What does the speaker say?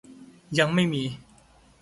ยังไม่มี